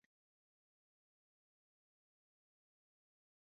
หรือบัตรอื่นที่ใช้แทนบัตรประจำตัวประชาชน